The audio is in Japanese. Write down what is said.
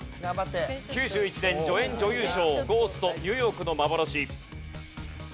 ９１年助演女優賞『ゴースト／ニューヨークの幻』。